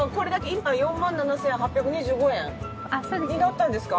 今４万７８２５円になったんですか？